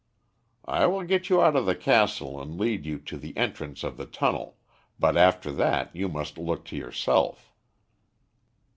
"I will get you out of the castle and lead you to the entrance of the tunnel, but after that you must look to yourself."